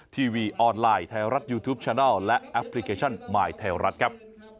ทีวีออนไลน์ไทยรัฐยูทูปชนัลและแอปพลิเคชันมายไทยรัฐครับ